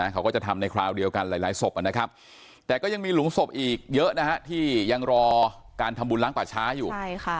เขาก็จะทำในคราวเดียวกันหลายศพนะครับแต่ก็ยังมีหลุมศพอีกเยอะนะฮะที่ยังรอการทำบุญล้างป่าช้าอยู่